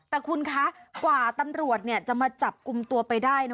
แต่คุณคะกว่าตำรวจจะมาจับกลุ่มตัวไปได้นะ